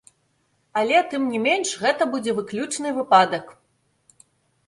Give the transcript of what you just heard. Але тым не менш, гэта будзе выключны выпадак.